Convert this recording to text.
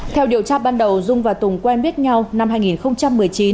theo điều tra ban đầu dung và tùng quen biết nhau năm hai nghìn một mươi chín